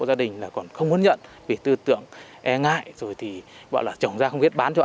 và bà con tự tuyên truyền rồi thì tự phát triển rất tuyệt